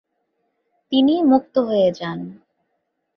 তিনি মুক্ত হয়ে যান।